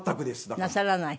なさらない？